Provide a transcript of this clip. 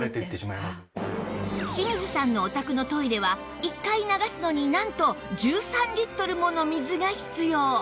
清水さんのお宅のトイレは１回流すのになんと１３リットルもの水が必要